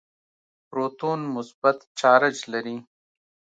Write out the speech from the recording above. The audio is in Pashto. پروتون مثبت چارج لري.